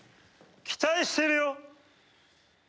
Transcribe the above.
期待しているよ！